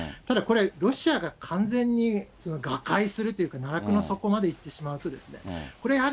ただ、これ、ロシアが完全に瓦解するというか、奈落の底まで行ってしまうと、これ、